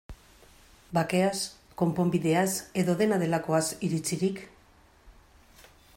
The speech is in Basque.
Bakeaz, konponbideaz, edo dena delakoaz iritzirik?